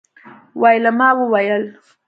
ویلما وویل